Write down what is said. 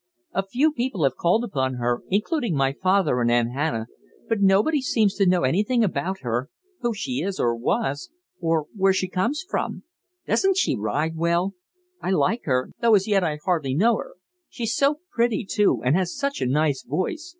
A few people have called upon her, including my father and Aunt Hannah, but nobody seems to know anything about her, who she is or was, or where she comes from. Doesn't she ride well? I like her, though as yet I hardly know her. She's so pretty, too, and has such a nice voice.